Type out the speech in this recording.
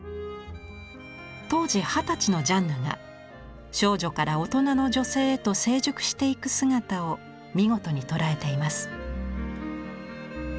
当時二十歳のジャンヌが少女から大人の女性へと成熟していく姿を見事に捉えています。